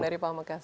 dari pak mekasan